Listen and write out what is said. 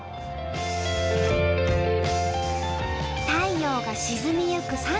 太陽が沈みゆく